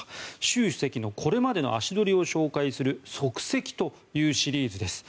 習主席のこれまでの足取りを紹介する「足跡」というシリーズです。